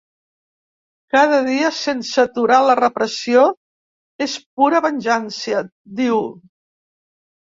Cada dia sense aturar la repressió és pura venjança, diu.